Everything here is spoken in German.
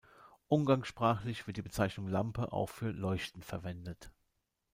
Umgangssprachlich wird die Bezeichnung "Lampe" auch für "Leuchten" verwendet.